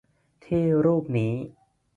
ที่รูปนี้